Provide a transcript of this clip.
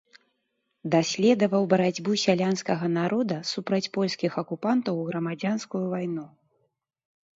Даследаваў барацьбу сялянскага народа супраць польскіх акупантаў у грамадзянскую вайну.